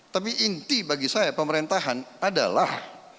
tapi inti bagi saya pemerintahan adalah